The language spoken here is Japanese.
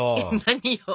何よ。